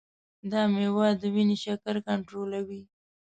دا مېوه د وینې شکر کنټرولوي.